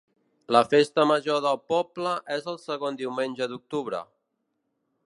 La festa major del poble és el segon diumenge d’octubre.